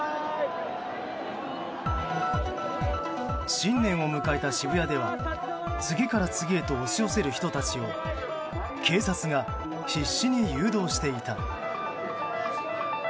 新年を迎えた渋谷では次から次へと押し寄せる人たちを警察が必死に誘導していた。